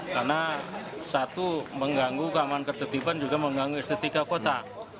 karena satu mengganggu keamanan ketertiban juga mengganggu estetika kota